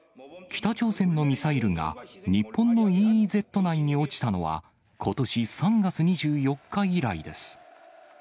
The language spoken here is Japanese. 北朝鮮のミサイルが、日本のＥＥＺ内に落ちたのは、ことし３月２４日以来です。